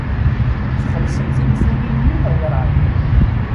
Txellṣem tinfulin-nni neɣ werɛad?